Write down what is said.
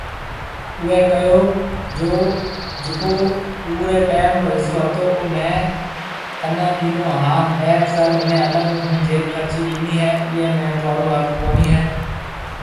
اوئي ڪهيو جو جڪو پوري ٽيم رو حصو هتو او مين ٿوني ڏينو هان اي سر مهني الگ ھونجيب خرچي ڏيني هي ايئي ۾ ٿونرو حق ڪونهي هي